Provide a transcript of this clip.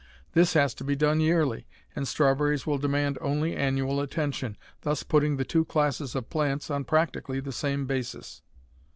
This has to be done yearly, and strawberries will demand only annual attention, thus putting the two classes of plants on practically the same basis.